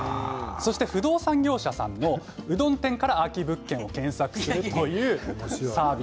不動産業者さんのうどん店から空き物件を検索するというサービス。